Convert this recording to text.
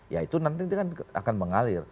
ya itu nanti akan mengalir